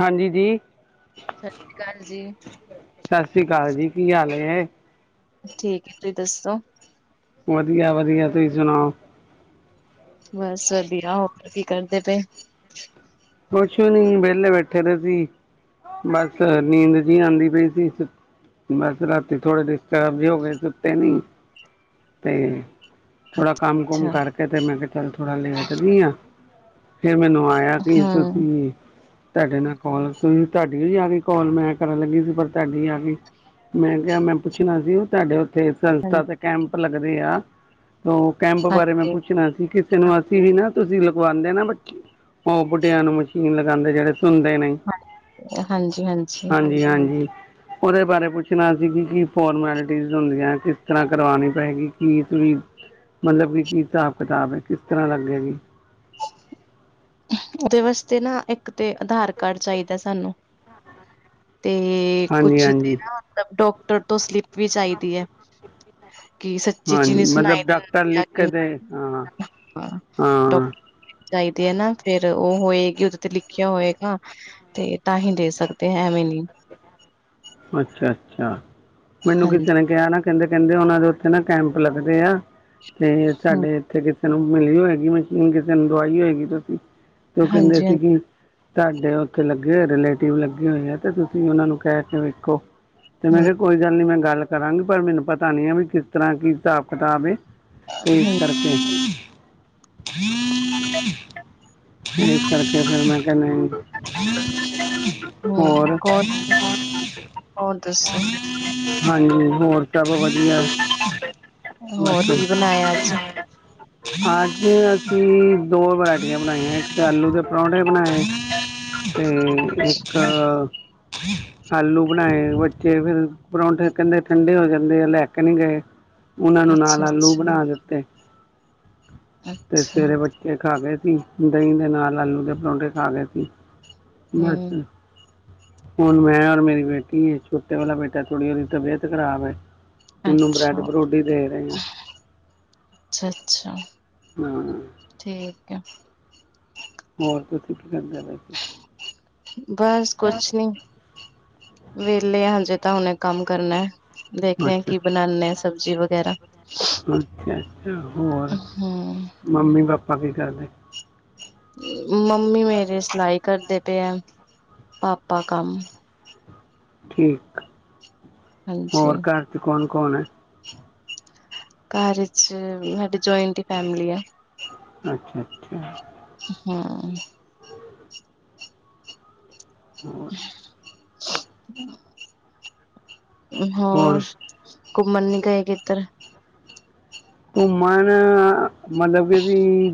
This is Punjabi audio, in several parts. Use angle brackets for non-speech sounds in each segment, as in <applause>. ਹਾਂਜੀ ਜੀ। ਸਸ ਸੀ ਕਾਲ ਜੀ। ਸਸ ਸ੍ਰੀ ਕਾਲ ਜੀ। ਕੀ ਹਾਲ ਨੇ? ਠੀਕ ਏ ਤੁਈ ਦੱਸੋ। ਵਧੀਆ-ਵਧੀਆ। ਤੁਸੀ ਸੁਣਾਓ? ਬਸ ਵਧੀਆ। ਹੋਰ ਕੀ ਕਰਦੇ ਪਏ? ਕੋਛ ਵੀ ਨੀ, ਵੇਲੇ ਬੈਠੇ ਦੇ ਸੀ। ਬਸ ਨੀਂਦ ਜੀ ਆਂਦੀ ਪਈ ਸੀ। ਬਸ ਰਾਤੀ ਥੋੜੇ ਡਿਸਟਰਬ ਜੇ ਹੋ ਗੇ, ਸੁੱਤੇ ਨੀ ਤੇ ਥੋੜਾ ਕੰਮ ਕੁਮ ਅੱਛਾ, ਕਰਕੇ ਤੇ ਮੈਂ ਬੇਠੇਆਂ ਨੂੰ ਥੋੜਾ ਲੇਟਦੀ ਆਂ ਫੇਰ ਮੇਨੂੰ ਆਇਆ ਕਿ ਹੂੰ, ਤੁਸੀ ਤੁਆਡੇ ਨਾਲ ਕੋਲ, ਤੁਹੀ ਤੁਆਡੀ ਆ ਗਈ ਕੋਲ ਮੈਂ ਕਰਨ ਲੱਗੀ ਸੀ ਪਰ ਤੁਆਡੀ ਆ ਗਈ। ਮੈਂ ਕਿਆ ਮੈਂ ਪੁੱਛਣਾ ਸੀ ਓ ਤੁਆਡੇ ਓਥੇ ਸੰਸਥਾ ਤੇ ਕੈਂਪ ਲੱਗਦੇ ਆ ਓ ਕੈਂਪ ਬਾਰੇ ਮੈਂ ਹਾਂਜੀ। ਪੁੱਛਣਾ ਸੀ ਕਿ ਕਿਸੇ ਨੂੰ ਅਸੀ ਵੀ ਨਾ ਤੁਸੀ ਲਗਵਾਂਦੇ ਨਾ ਬੱਚ ਓ ਬੁੱਢੇਆਂ ਨੂੰ ਮਸ਼ੀਨ ਲਗਾਂਦੇ ਜੜੇ ਸੁਣਦੇ ਨਈ ਹਾਂਜੀ-ਹਾਂਜੀ, ਹਾਂਜੀ-ਹਾਂਜੀ। ਓਦੇ ਬਾਰੇ ਪੁੱਛਨ ਸੀ ਬੀ ਕੀ ਫੋਰਮੈਲਟੀਜ਼ ਹੁੰਦੀਐਂ, ਕਿਸ ਤਰ੍ਹਾਂ ਕਰਵਾਨੀ ਪਏਗੀ ਕਿ ਤੁਹੀ ਮਤਲਬ ਕਿ ਕੀ ਹਿਸਾਬ ਕਤਾਬ ਏ ਕਿਸ ਤਰ੍ਹਾਂ ਲੱਗੇਗੀ। ਓਦੇ ਵਾਸਤੇ ਨਾ ਏੱਕ ਤੇ ਅਧਾਰ ਕਾਰਡ ਚਾਈਦੈ ਸਾਨੂੰ ਤੇ ਹਾਂਜੀ ਕੁਛ ਤੇ ਹਾਂਜੀ ਨਾ ਮਤਲਬ ਡੋਕਟਰ ਤੋਂ ਸਲਿਪ ਵੀ ਚਾਈਦੀ ਐ। ਕਿ ਸੱਚੀ ਚੀ ਨੀ ਹਾਂਜੀ ਸੁਣਾਈ ਮਤਲਬ ਡਾਕਟਰ ਦਿੰਦਾ ਆ ਲਿਖ ਕੇ ਕਿ ਦੇ ਹਾਂ ਡੋਕ ਹਾਂ ਚਾਈਦੀ ਏ ਨਾ ਫੇਰ ਓ ਹੋਏਗੀ ਓਦੇ ਤੇ ਲਿਖੇਆ ਹੋਏਗਾ ਤੇ ਤਾਂ ਹੀ ਦੇ ਸਕਦੇ ਹੈਂ ਐਵੇਂ ਨੀ ਅੱਛਾ-ਅੱਛਾ ਮੈਨੂੰ ਹਾਂਜੀ ਕਿਸੇ ਨੇ ਕਿਆ ਨਾ ਕੈਂਦੇ ਕੈਂਦੇ ਓਨਾਂ ਦੇ ਓਥੇ ਨਾ ਕੈਂਪ ਲੱਗਦੇ ਆ ਤੇ ਹੂੰ। ਸਾਡੇ ਏੱਥੇ ਕਿਸੇ ਨੂੰ ਮਿਲੀ ਹੋਏਗੀ ਮਸ਼ੀਨ ਕਿਸੇ ਨੂੰ ਦਵਾਈ ਹੋਏਗੀ ਤੁਸੀ ਤੇ ਓ ਕੇਂਦੇ ਸੀ ਹਾਂਜੀ-ਹਾਂਜੀ, ਕਿ ਸਾਡੇ ਓਥੇ ਲੱਗੇ ਹੋਏ ਦੇ ਨੇ ਲੇਟਿਵ, ਲੱਗੇ ਹੋਏ ਨੇ ਏੱਥੇ ਤੁਸੀ ਵੀ ਓਨਾ ਨੂੰ ਕੈ ਕੇ ਵੇਖੋ ਤੇ ਮੈਂ ਕੈ ਕੋਈ ਗੱਲ ਨੀ ਮੈਂ ਗੱਲ ਕਰਾਂਗੀ ਪਰ ਮੈਨੂੰ ਪਤਾ ਨੀ ਐ ਵੀ ਕਿਸ ਤਰ੍ਹਾਂ ਕੀ ਹਿਸਾਬ ਕਤਾਬ ਏ ਤੇ ਏਸ ਹਾਂਜੀ-ਹਾਂਜੀ, ਕਰਕੇ ਏਸ ਕਰਕੇ ਫੇਰ ਮੈਂ ਕਿਆ ਨਈ ਹੋਰ ਔਰ ਦੱਸੋ? ਹਾਂਜੀ, ਹੋਰ ਸਬ ਵਧੀਆ ਹੋਰ ਬਸ ਕੀ ਬਣਾਇਆ ਅੱਜ? ਅੱਜ ਅਸੀ ਦੋ ਵਰਾਇਟੀਆਂ ਬਣਾਈਐਂ। ਏੱਕ ਤੇ ਆਲੂ ਦੇ ਪਰੌਂਠੇ ਬਨਾਏ ਤੇ ਅੱਛਾ, ਇੱਕ ਆਲੂ ਤਾਂਈ ਬੱਚੇ ਫਿਰ ਪਰੌਂਠੇ ਕੇਂਦੇ ਠੰਡੇ ਹੋ ਜਾਂਦੇ ਆ ਲੈ ਕੇ ਨੀ ਗਏ। ਓਨਾਂ ਨੂੰ ਨਾਲ ਅੱਛਾ, ਆਲੂ ਬਨ ਦਿੱਤੇ। ਤੇ ਅੱਛਾ, ਸਵੇਰੇ ਬੱਚੇ ਖਾ ਗਏ ਸੀ। ਦਹੀਂ ਦੇ ਨਾਲ ਆਲੂ ਦੇ ਪਰੌਂਠੇ ਖਾ ਗਏ ਸੀ। ਹੂੰ, ਮਸੀ ਹੁਣ ਮੈਂ ਔਰ ਮੇਰੀ ਬੇਟੀ, ਛੋਟੇ ਵਾਲਾ ਬੇਟਾ ਥੋੜ੍ਹੀ ਔਦੀ ਤਬੀਅਤ ਖਰਾਬ ਐ ਅੱਛਾ। ਔਨੂੰ ਬ੍ਰੈਡ ਅੱਛਾ, ਬਰੁਡ ਈ ਦੇ ਰੇ ਆ ਅੱਛਾ- ਅੱਛਾ। ਹਾਂ। ਠੀਕ ਐ। ਹੋਰ ਤੁਸੀਂ ਕੀ ਕਰਦੇ ਪਏ ਸੀ। ਬਸ ਕੁਛ ਨੀ, ਵੇਹਲੇ ਹਜੇ ਤਾਂ ਹਲੇ ਕੰਮ ਕਰਨਾ। ਦੇੇਖੇਂ ਅੱਛਾ ਕੀ ਬਣਾਨੇ ਆ ਸਬਜ਼ੀ ਵਗੈਰਾ ਅੱਛਾ- ਅੱਛਾ ਹੋਰ, ਹੂੰ, ਮੰਮੀ ਪਾਪਾ ਕੀ ਕਰਦੇ। ਮੰਮੀ ਮੇਰੇ ਸਿਲਾਈ ਕਰਦੇ ਪਏ ਯਾ, ਪਾਪਾ ਕੰਮ ਠੀਕ ਆ, ਹਾਂਜੀ, ਹੋਰ ਘਰ ਚ ਕੌਣ- ਕੌਣ ਐ। ਘਰ ਚ ਵੀ ਸਾਡੀੇ ਜੁਆਇੰਟ ਫੈਮਿਲੀ ਐ ਅੱਛਾ- ਅੱਛਾ ਆ ਅਹਅ। ਹੋਰ ਹੋਰ, ਘੁੰਮਣ ਨੀ ਗਏ ਕਿਧਰ। ਘੁਮਨ ਮਤਲਬ ਬੀ।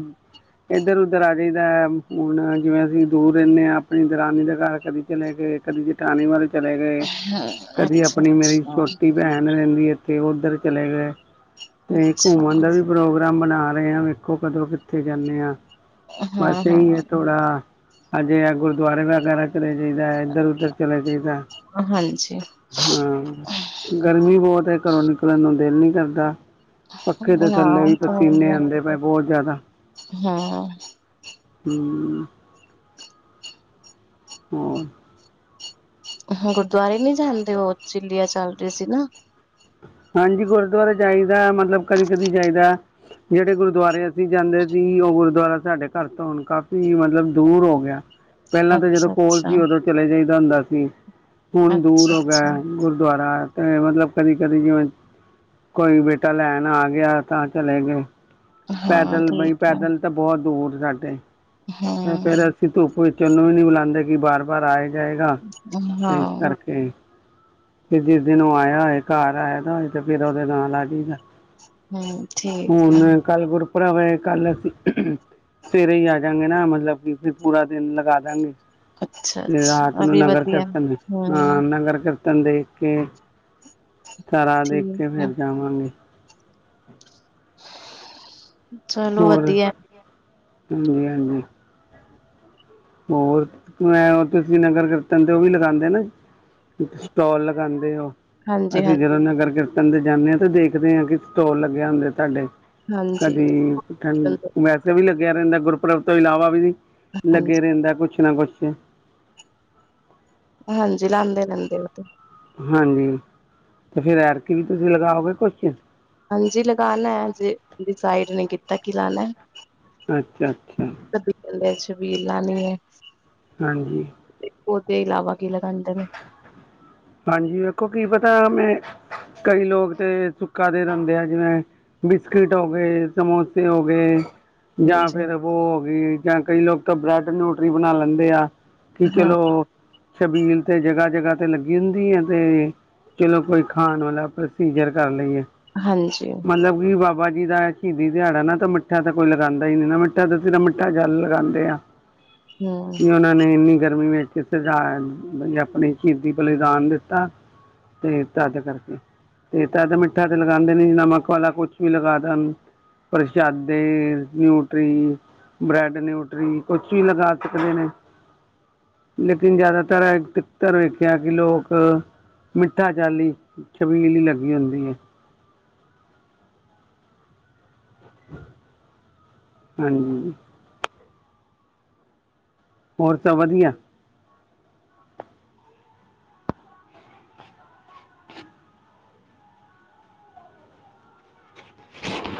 ਏਧਰ- ਉੱਧਰ ਆਜੀ ਦਾ, ਹੁਣ ਜਿਵੇਂ ਅਸੀਂ ਦੂਰ ਰੈਂਦੇ ਆ ਆਪਣੀ ਦਰਾਨੀ ਦਾ ਘਰ ਕਦੇ ਚਲੇ ਗੇ। ਕਦੀ ਜਠਾਣੀ ਅਲ ਚਲੇ ਗਏ, ਹਾਂ, ਕਦੀ ਅੱਛਾ, ਅਪਣੀ ਮੇਰੀ ਅੱਛਾ, ਛੋਟੀ। ਭੈਣ ਰੈਂਦੀ ਏਥੇ, ਔਧਰ ਚਲੇ ਗੇ। ਅੱਛਾ ਅ। ਪ੍ਰੋਗਰਾਮ ਬਣਾ ਰੇ ਆ, ਵੇਖੋ ਕਦੋਂ ਕਿੱਥੇ ਜਾਂਨੇ ਆ। ਹਾਂ, ਬਸ ਏਈ ਏ ਹਾਂ, ਥੋੜਾ, ਅਜੇ ਆ ਗੁਰਦੁਆਰੇ ਵਗੈਰਾ। ਚਲੇ ਜੀ ਦਾ ਇੱਧਰ- ਉਧਰ, ਚਲੇ ਜੀ ਦਾ। ਹਾਂਜੀ। ਗਰਮੀ ਬੋਤ ਏ ਘਰੋਂ ਨਿਕਲਣ ਨੂੰ ਦਿਲ ਨੀ ਕਰਦਾ। ਪੱਖੇ ਦੇ ਹਾਂ ਥੱਲੇ ਉਹ ਵੀ ਤਾਂ ਹੈ ਹੀ ਹੈ, ਪਸੀਨੇ ਆਂਦੇ ਪਏ ਬੋਤ ਜਾਦਾ। ਹੂੰ, ਹਮ, ਹੋ। ਅਹ ਗੁਰਦੁਆਰੇ ਨੀ ਜਾਂਦੇ ਔ, ਚਲੀਆਂ ਸਾਬ ਗਏ ਸੀ ਨਾ। ਹਾਂਜੀ, ਗੁਰਦੁਆਰੇ ਜਾਈਦਾ, ਮਤਲਬ ਕਦੀ -ਕਦੀ ਜਾਈਦਾ। ਜੇੜੇ ਗੁਰਦੁਆਰੇ ਅਸੀਂ ਜਾਂਦੇ ਸੀ, ਔ ਗੁਰਦੁਆਰਾ ਸਾਡੇ ਘਰ ਤੋਂ ਹੁਣ ਕਾਫੀ ਮਤਲਬ ਦੂਰ ਹੋ ਗਿਆ। ਪੈਂਲਾਂ ਤਾਂ ਜਦੋਂ ਕੋਲ ਅੱਛਾ-ਅੱਛਾ, ਸੀ, ਔਦੋਂ ਚਲੇ ਜਾਈਦਾ ਹੋਂਦਾ ਸੀ। ਹੁਣ ਦੂਰ ਹੋ ਗਿਆ ਅੱਛਾ-ਅੱਛਾ ਗੁਰਦੁਆਰਾ ਤੇ ਮਤਲਬ। ਕਦੀ-ਕਦੀ ਜਿਵੇਂ <unintelligible> ਕੋਈ ਬੇਟਾ ਲੈਣ ਆ ਗਿਆ, ਤਾਂ ਚਲੇ ਗੇ। ਹਾਂ ਪੈਦਲ ਬਈ ਠੀਕ ਪੈਦਲ ਤਾਂ ਬੋਤ ਦੂਰ ਸਾਡੇ। ਅਹ। ਤਾਂ ਫੇਰ ਅਸੀਂ ਧੁੱਪ ਵਿੱਚ ਏਨੂੰ ਨੀ ਬੁਲਾਂਦੇ ਸੀ ਵਾਰ -ਵਾਰ ਆਏ। ਜਾਏਗਾ, ਤੇ ਇਸ ਹਾਂ, ਕਰਕੇ। ਤੇ ਜਿਸ ਦਿਨ ਔ ਆਇਆ ਹੋਏ ਘਰ ਆਇ ਦਾ ਹੋਏ ਤੇ ਫਰ ਉਹਦੇ ਨਾਂ ਲਾ ਜਈਦਾ। <unintelligible> ਹਮ ਠੀਕ ਐ। ਭਰਾਵੈਂ ਕੱਲ ਅਸੀਂ ਸਵੇਰੇ ਹੀ ਆ ਜਾਂਗੇ ਨਾ, ਮਤਲਬ ਕਿ ਫਿ ਪੂਰਾ ਦਿਨ ਲਗਾ ਜਾਂਗੇ। ਅੱਛਾ-ਅੱਛਾ ਰਾਤ ਆ ਨੂੰ ਵੀ ਨਗਰ ਵਧੀਆ। ਕੀਰਤਨ ਵੀ ਹਾਂ, ਹੂੰ ਨਗਰ ਕੀਰ ਕੰਡੇ ਤੇ, ਸਾਰਾ ਦੇਖ ਕੇ ਠੀਕ ਹੈ ਫੇਰ ਜਾਵਾਂਗੇ। ਚਲੋ ਹੋਰ, ਵਧੀਆ ਵਧਿਆਆ, ਹਾਂਜੀ- ਹਾਂਜੀ। ਹੋਰ, ਮੈਂ ਤੁਸੀਂ ਨਗਰ ਕੀਰਤਨ ਤੇ ਉਹ ਵੀ ਲਗਾਂਦੇ ਨਾ। ਸਟੋਲ ਲਗਾਂਦੇ ਓ। ਅਸੀਂ ਹਾਂਜੀ-ਹਾਂਜੀ, ਜਦੋਂ ਨਗਰ ਕੀਰਤਨ ਦੇ ਜਾਂਨੇ ਆ ਤੇ ਦੇਖਦੇ ਹਾਂ ਕਿ ਸਟੋਲ ਲੱਗੇ ਹੁੰਦੇ ਤੁਹਾਡੇ। ਹਾਂਜੀ। ਕਦੀ ਵੈਸੇ ਵੀ ਲੱਗਿਆ ਰਹਿੰਦਾ ਗੁਰਪੁਰਬ ਤੋਂ ਇਲਾਵਾ ਵੀ ਜੀ। <unintelligible> ਦਾ ਕੁਛ ਨਾ ਕੁਛ। ਹਾਂਜੀ ਲਾਂਦੇ ਰਹਿੰਦੇ ਉਹ ਤੇ। ਹਾਂਜੀ, ਤੇ ਫੇਰ ਐਕਤੀ ਵੀ ਤੁਸੀਂ ਲਗਾਓਗੇ ਕੁਛ? ਹਾਂਜੀ ਲਗਾਣਾ ਹਜੇ, ਡਿਸਾਈਡ ਨੇ ਕੀਤਾ ਕੀ ਲਾਣਾ। ਅੱਛਾ-ਅੱਛਾ। ਕਦੀ ਕਹਿੰਦੇ ਛਬੀਲ ਲਾਨੀ ਏ। ਹਾਂਜੀ। ਤੇ ਉਹਦੇ ਇਲਾਵਾ ਕੀ ਲਗਾਦੇ ਨੇ। ਹਾਂਜੀ ਵੇਖੋ ਕੀ ਪਤਾ ਮੈਂ, ਕਈ ਲੋਕ ਤੇ ਸੁੱਕਾ ਦੇ ਦਿੰਦੇ ਆ ਜਿਵੇਂ ਬਿਸਕਿਟ ਹੋ ਗਏ, ਸਮੋਸੇ ਹੋ ਗਏ। ਜਾਂ ਹਾਂਜੀ ਫੇਰ ਉਹ ਹੋ ਗਈ ਜਾਂ ਕਈ ਲੋਕ ਤਾਂ ਬ੍ਰੈਡ ਨਿਊਟਰੀ ਬਣਾ ਲੈਂਦੇ ਆ। ਕਿ ਹਾਂ, ਚਲੋ, ਛਬੀਲ ਤੇ ਜਗ੍ਹਾ-ਜਗ੍ਹਾ ਤੇ ਲੱਗੀ ਕਿਹਦੀ ਆ ਤੇ, ਚਲੋ ਕੋਈ ਖਾਣ ਵਾਲਾ ਪ੍ਰੋਸੀਜਰ ਕਰ ਲਈਏ। ਹਾਂਜੀ ਮਤਲਬ ਕੀ ਬਾ- ਬਾਬਾ ਜੀ ਦਾ ਸ਼ਹੀਦੀ ਦਿਹਾੜਾ ਨਾ ਤਾਂ ਮਿੱਠਾ ਤਾਂ ਕੋਈ ਲਗਾਂਦਾ ਹੀ ਨੀ ਨਾ ਮਿੱਠਾ ਤਾਂ ਅਸੀਂ ਤਾਂ ਮਿੱਠਾ ਜਲ ਲਗਾਂਦੇ ਆ। ਹੂੰ। ਕਿ ਉਹਨਾਂ ਨੇ ਇੰਨੀ ਗਰਮੀ ਵਿੱਚ ਕਿਸ ਤਰ੍ਹਾਂ ਆਪਣੀ ਸ਼ਹੀਦੀ ਬਲੀਦਾਨ ਦਿੱਤਾ, ਤੇ ਤਦ ਕਰਕੇ। ਤੇ ਤਦ ਮਿੱਠਾ ਤੇ ਲਗਾਂਦੇ ਨੀ ਜੀ ਨਮਕ ਵਾਲਾ ਕੁਛ ਵੀ ਲਗਾ ਦੇਨ। ਪ੍ਰਸ਼ਾਦੇ, ਨਿਊਟਰੀ- ਬ੍ਰੈਡ ਨਿਊਟਰੀ ਕੁਛ ਵੀ ਲਗਾ ਸਕਦੇ ਨੇ। ਲੇਕਿਨ ਜ਼ਿਆਦਾਤਰ ਹੈ ਕੀ <unintelligible> ਕਿਹਾ ਕਿ ਲੋਕ, ਮਿੱਠਾ ਜਲ ਈ ਛਵੀਲ ਈ ਲੱਗੀ ਹੁੰਦੀ ਆ। ਹਾਂਜੀ ਹੋਰ ਸਭ ਵਧੀਆ। <inaudible>